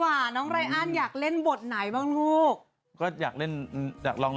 อ่าโหขายหล่อพวกผมขายตลกไม่ได้จริงนะ